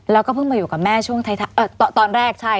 แล้วก็เพิ่งมาอยู่กับแม่ช่วงตอนแรกใช่